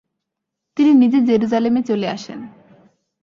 তিনি নিজে জেরুসালেমে চলে আসেন।